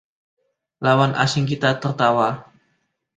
Lawan asing kita tertawa.